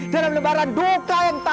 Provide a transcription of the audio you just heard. dalam lembaran duka yang tersayat